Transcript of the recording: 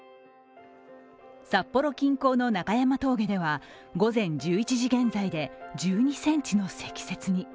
札幌近郊の中山峠では午前１１時現在で１２ｃｍの積雪に。